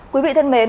quý vị thân mến